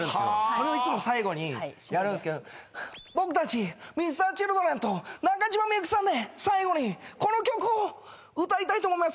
それをいつも最後にやるんですけど僕たちＭｒ．Ｃｈｉｌｄｒｅｎと中島みゆきさんで最後にこの曲を歌いたいと思います